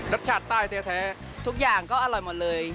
รสชาติใต้แท้ทุกอย่างก็อร่อยหมดเลย